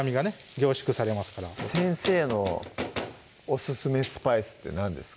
凝縮されますから先生のオススメスパイスって何ですか？